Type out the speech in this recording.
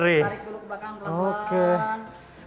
tarik dulu ke belakang ke belakang